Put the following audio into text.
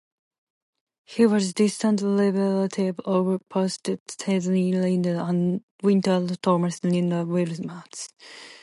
He was a distant relative of poet Sidney Lanier and writer Thomas Lanier Williams.